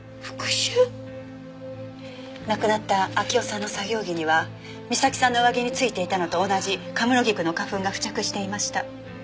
亡くなった秋生さんの作業着にはみさきさんの上着についていたのと同じ神室菊の花粉が付着していました。